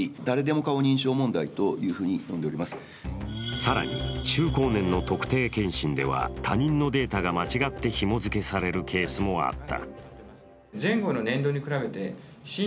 更に中高年の特定健診では他人のデータが間違ってひも付けされるケースもあった。